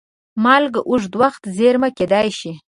مالګه اوږد وخت زېرمه کېدای شي.